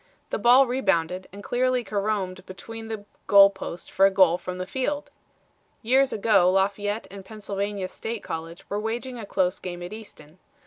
The ball rebounded and cleanly caromed between the goal post for a goal from the field. Years ago Lafayette and Pennsylvania State College were waging a close game at Easton.